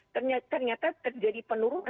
ternyata ternyata terjadi penurunan